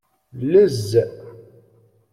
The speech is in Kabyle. Llez.